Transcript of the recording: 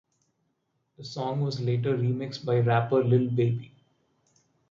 The song was later remixed by rapper Lil Baby.